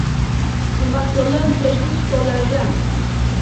Xizmatkorlar qo’shni stollarda